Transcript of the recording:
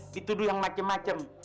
dituduh yang macem macem